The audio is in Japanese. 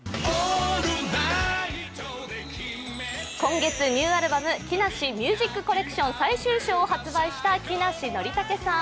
今月、ニューアルバム「木梨ミュージックコネクション最終章」を発売した木梨憲武さん。